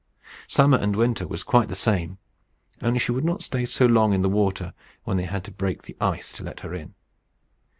Summer and winter it was quite the same; only she could not stay so long in the water when they had to break the ice to let her in.